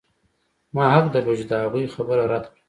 ما حق درلود چې د هغوی خبره رد کړم